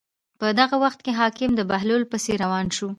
په دغه وخت کې حاکم د بهلول پسې روان شو.